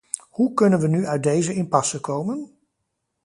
Hoe kunnen we nu uit deze impasse komen?